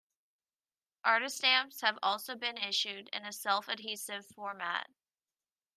Artistamps have also been issued in a self-adhesive format.